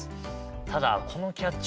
ただこのキャッチコピー